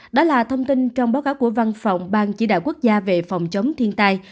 đó là thông tin trong báo cáo của văn phòng ban chỉ đạo quốc gia về phòng chống thiên tai